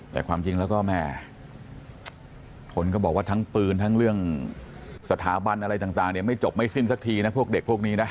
แต่ความจริงแล้วก็แม่คนก็บอกว่าทั้งปืนทั้งเรื่องสถาบันอะไรต่างเนี่ยไม่จบไม่สิ้นสักทีนะพวกเด็กพวกนี้นะ